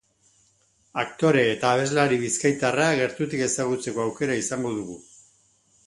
Aktore eta abeslari bizkaitarra gertutik ezagutzeko aukera izango dugu.